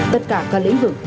tất cả các lĩnh vực